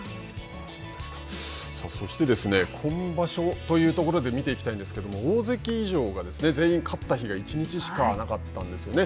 そして、今場所というところで見ていきたいんですけれども大関以上が全員勝った日が１日しかなかったんですね。